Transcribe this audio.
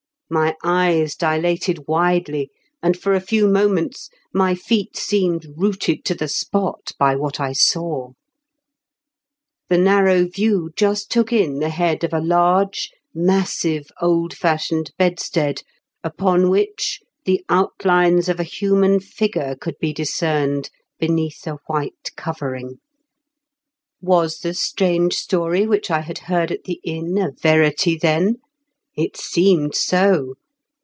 My eyes dilated widely, and for a few moments my feet seemed rooted to the spot by what I saw. The narrow view just took in the head of a large, massive, old fashioned bedstead, upon which the outlines of a human figure could be discerned beneath a white covering. Was the strange story which I had heard at the inn a verity, then ? It seemed so.